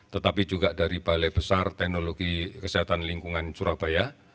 tetapi juga dari balai besar teknologi kesehatan lingkungan surabaya